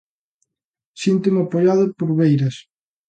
Síntome apoiado por Beiras.